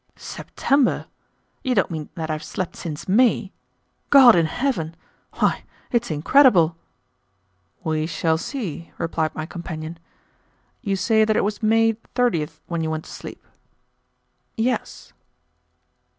"September! You don't mean that I've slept since May! God in heaven! Why, it is incredible." "We shall see," replied my companion; "you say that it was May 30th when you went to sleep?" "Yes."